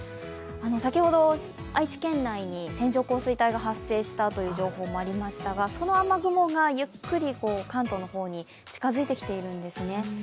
先ほど愛知県内に線状降水帯が発生したという情報もありましたがその雨雲がゆっくり関東の方に近づいてきてるんですね。